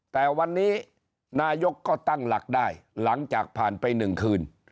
แต่วันนี้นายกก็ตั้งหลักได้หลังจากผ่านไป๑คืน